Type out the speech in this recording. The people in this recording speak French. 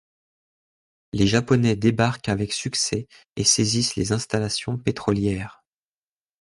Les Japonais débarquent avec succès et saisissent les installations pétrolières.